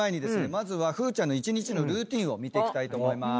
まずはふーちゃんの一日のルーティンを見ていきたいと思います。